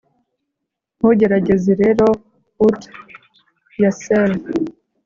ntugerageze rero oot yersel '